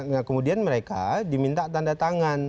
nah kemudian mereka diminta tanda tangan